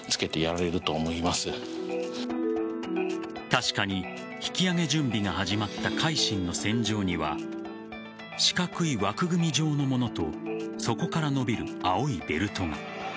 確かに引き揚げ準備が始まった「海進」の船上には四角い枠組み状のものとそこから延びる青いベルトが。